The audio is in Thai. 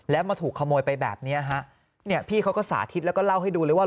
แล้วมาถูกขโมยไปแบบเนี้ยฮะเนี่ยพี่เขาก็สาธิตแล้วก็เล่าให้ดูเลยว่า